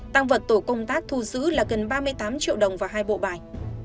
tăng vật tổ công tác thu giữ là gần ba mươi tám triệu đồng và hai bộ bài